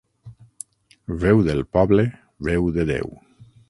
Veu del poble, veu de Déu.